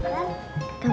aku mau ke sana